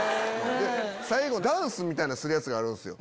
最後ダンスみたいなんするやつがあるんすよ。